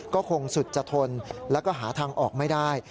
ก็คงสุดจะทนแล้วก็หาทางออกไม่ได้